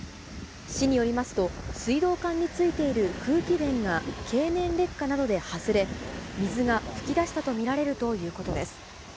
市によりますと、水道管に付いている空気弁が経年劣化などで外れ、水が噴き出したと見られるということです。